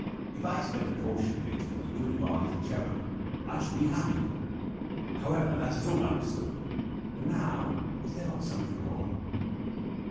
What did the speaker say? If I spend a portion of it for the good of our little cherub, I shall be happy. However, that is all understood. And now, is there not something more?"